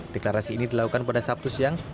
deklarasi ini dilakukan pada sabtu siang